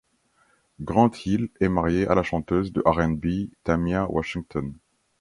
Grant Hill est marié à la chanteuse de R&B Tamia Washington.